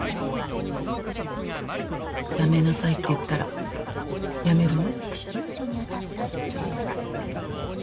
やめなさいって言ったらやめるの？